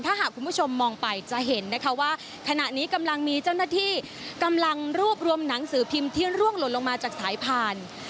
ถ้าหากคุณผู้ชมมองไปจะเห็นนะคะว่าขณะนี้กำลังมีเจ้าหน้าที่กำลังรวบรวมหนังสือพิมพ์ที่ร่วงหล่นลงมาจากสายผ่าน